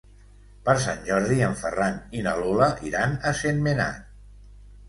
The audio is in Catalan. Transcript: Per Sant Jordi en Ferran i na Lola iran a Sentmenat.